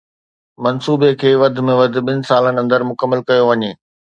منصوبي کي وڌ ۾ وڌ ٻن سالن اندر مڪمل ڪيو وڃي.